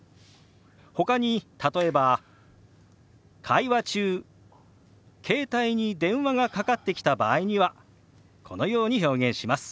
ほかに例えば会話中携帯に電話がかかってきた場合にはこのように表現します。